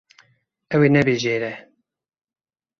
Ew ê nebijêre.